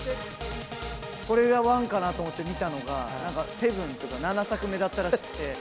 これが１かなと思って見たのが、なんか７とか、７作目だったらしくて。